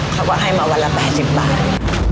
เขาก็ให้มาวันละ๘๐บาท